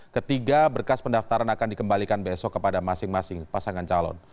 ketiga berkas pendaftaran akan dikembalikan besok kepada masing masing pasangan calon